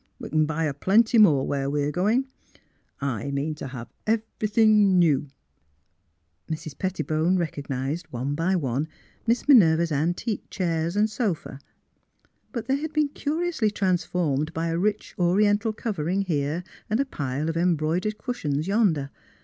'' We c'n buy a plenty more where we are going. I mean to have every thin ' new !'' Mrs. Pettibone recognised one by one Miss Minerva 's antique chairs and sofas ; but they had been curiously transformed by a rich Oriental covering here, and a pile of embroidered cushions yonder.